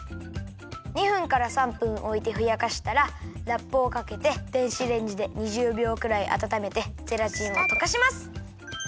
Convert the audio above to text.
２分から３分おいてふやかしたらラップをかけて電子レンジで２０びょうくらいあたためてゼラチンをとかします。